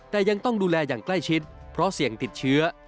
แต่ยังต้องดูแลอย่างใกล้ชิดเพราะเสี่ยงติดเชื้อ